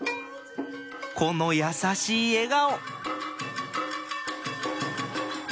この優しい笑顔！